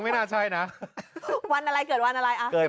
วันอะไร